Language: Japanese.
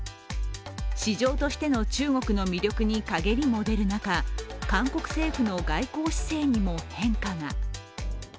市場としての中国の魅力にかげりも出る中、韓国政府の外交姿勢にも変化が。